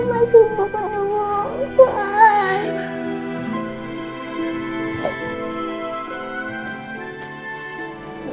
masih bukannya om roy